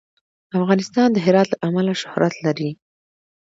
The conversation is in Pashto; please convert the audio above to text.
افغانستان د هرات له امله شهرت لري.